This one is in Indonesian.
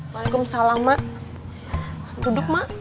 waalaikumsalam mak duduk mak